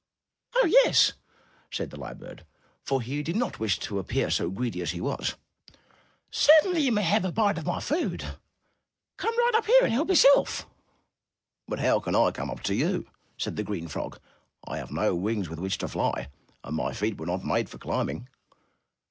'' ''Oh, yes!" said the lyre bird, for he did not wish to appear so greedy as he was, "certainly you may have a bite of my food. Come right up here and help yourself." "But how can I come up to you?" said the frog, "I have no wings with which to fly, and my feet were not made for climbing."